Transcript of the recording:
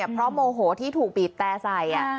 เพราะโมโหที่ถูกบีบแต่ใส่